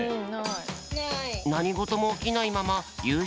なにごともおきないままゆう